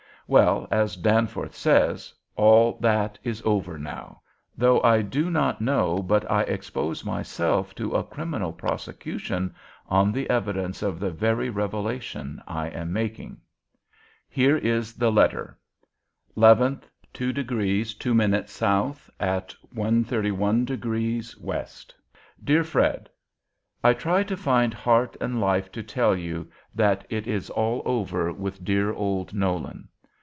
Well, as Danforth says, all that is over now, though I do not know but I expose myself to a criminal prosecution on the evidence of the very revelation I am making. Here is the letter: LEVANT, 2° 2' S. @ 131° W. "DEAR FRED: I try to find heart and life to tell you that it is all over with dear old Nolan.